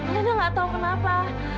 lina gak tau kenapa